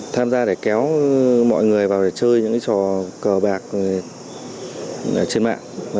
tham gia để kéo mọi người vào để chơi những trò cờ bạc trên mạng